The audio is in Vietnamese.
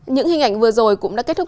những hình ảnh vừa rồi cũng đã kết thúc